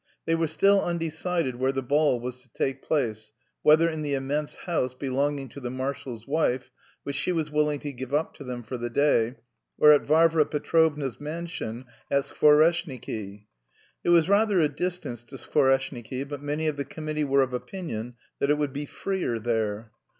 They were still undecided where the ball was to take place, whether in the immense house belonging to the marshal's wife, which she was willing to give up to them for the day, or at Varvara Petrovna's mansion at Skvoreshniki. It was rather a distance to Skvoreshniki, but many of the committee were of opinion that it would be "freer" there.